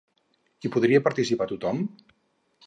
Hi podria participar tothom?